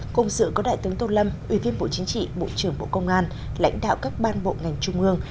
cùng sự có đại tướng tô lâm ủy viên bộ chính trị bộ trưởng bộ công an lãnh đạo các ban bộ ngành trung ương